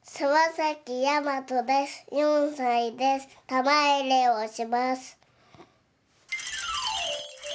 たまいれをします。